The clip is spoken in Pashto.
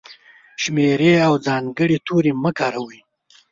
شمېرې او ځانګړي توري مه کاروئ!.